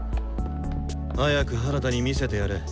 早く原田に見せてやれ。